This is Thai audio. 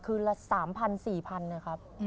คือละ๓๐๐๐๔๐๐๐เลยครับ